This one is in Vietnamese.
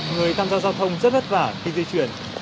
người tham gia giao thông rất vất vả khi di chuyển